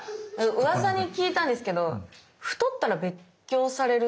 うわさに聞いたんですけど太ったら別居されるって本当ですか？